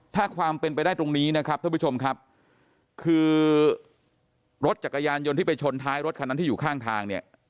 ถ้าความเป็นไปได้ตรงนี้นะครับท่านผู้ชมครับคือรถจักรยานยนต์ที่ไปชนท้ายรถคันนั้นที่อยู่ข้างทางเนี่ย